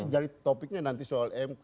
jadi topiknya nanti soal mk